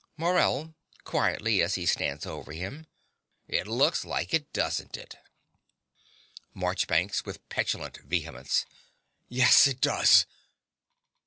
MORELL (quietly, as he stands over him). It looks like it, doesn't it? MARCHBANKS (with petulant vehemence). Yes, it does.